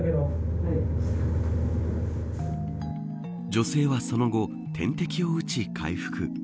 女性はその後点滴を打ち回復。